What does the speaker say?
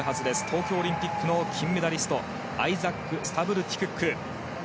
東京オリンピックの金メダリストアイザック・スタブルティ・クック。